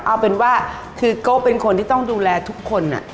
เอาเป็นว่าคือโก้เป็นคนที่ต้องดูแลทุกคน